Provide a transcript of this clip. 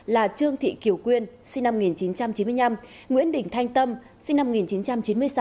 là trương thị kiều quyên sinh năm một nghìn chín trăm chín mươi năm nguyễn đình thanh tâm sinh năm một nghìn chín trăm chín mươi sáu